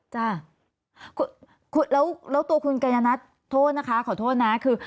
จ้ะแล้วตัวคุณกัญญนัทโทษนะคะขอโทษนะคือ